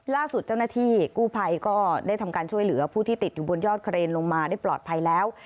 ล่าสุดเจ้าหน้าที่กู้ภัยก็ได้ทำการช่วยเหลือผู้ที่ติดอยู่บนยอดเครนลงมาได้ปลอดภัยแล้ว